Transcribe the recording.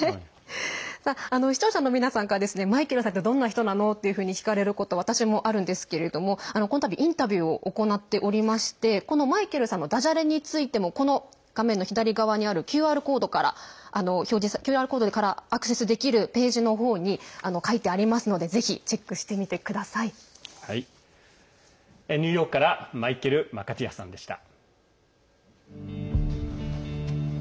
視聴者の皆さんからマイケルさんってどんな人なの？って聞かれることが私もあるんですけれどもこのたび、インタビューを行っておりましてこのマイケルさんのだじゃれについても画面の左側にあるＱＲコードからアクセスできるページに書いてありますのでニューヨークからマイケル・マカティアさんでした。